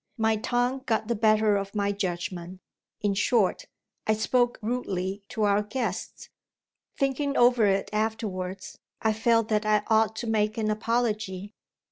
My tongue got the better of my judgment. In short, I spoke rudely to our guest. Thinking over it afterwards, I felt that I ought to make an apology.